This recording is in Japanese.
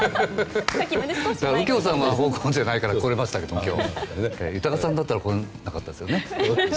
右京さんは方向音痴じゃないから来れますけど豊さんだったら来れなかったですね。